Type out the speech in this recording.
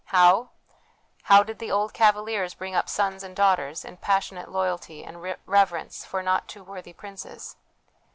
How ? How did the old Cavaliers bring up sons and daughters, in passionate loyalty and reverence for not too worthy princes?